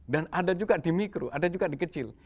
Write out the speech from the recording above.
dan ada juga di mikro ada juga di kecil